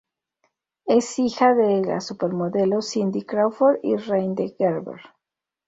Es hija de la supermodelo Cindy Crawford y Rande Gerber.